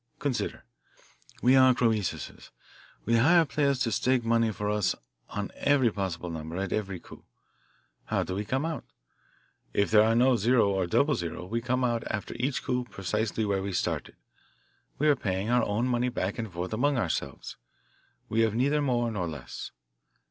Consider. We are Croesuses we hire players to stake money for us on every possible number at every coup. How do we come out? If there are no '0' or '00,' we come out after each coup precisely where we started we are paying our own money back and forth among ourselves; we have neither more nor less.